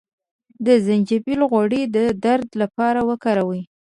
د زنجبیل غوړي د درد لپاره وکاروئ